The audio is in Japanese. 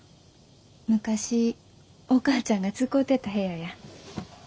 昔お母ちゃんが使てた部屋や。